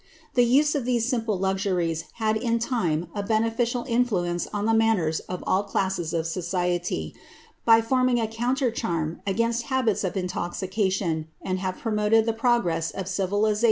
The use of these simple luxuries had in time a beneficiil inlhience on the manners of all classes of society, by forming a countff ; charm against habits of intoxication, and have promoted the progress of civilizatiim in no slight degree.